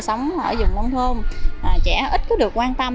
sống ở dùng nông thôn trẻ ít có được quan tâm